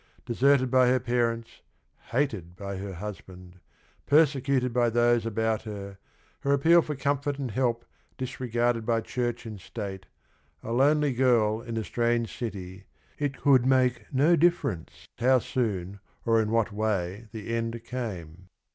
Deserted by her parents, hated by her husband, persecuted by those about her, her appeal for comfort and help disregarded by church and state, a lonely girl in a strange city, it could make no difference how soon or in what way the end came.